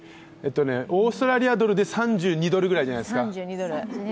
オーストラリアドルで３２ドルぐらいじゃないですか？